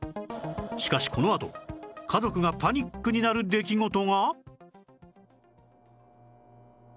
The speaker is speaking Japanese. しかしこのあと家族がパニックになる出来事が